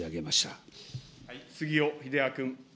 杉尾秀哉君。